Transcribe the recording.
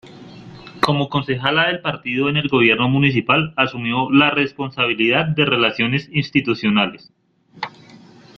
Como concejala del partido en el gobierno municipal asumió la responsabilidad de Relaciones Institucionales.